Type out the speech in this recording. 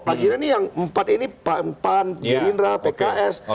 akhirnya ini yang empat ini pan gerindra pks